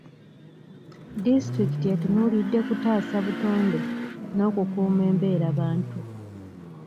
Disitulikiti etunuulidde kutaasa butonde n'okukuuma embeerabantu.